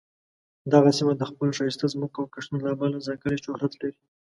دغه سیمه د خپلو ښایسته ځمکو او کښتونو له امله ځانګړې شهرت لري.